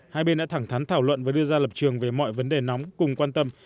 hai bên đã thẳng thắn thảo luận và đưa ra lập trường về mọi vấn đề nóng cùng quan tâm